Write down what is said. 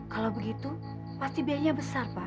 kalau begitu pasti biayanya besar pak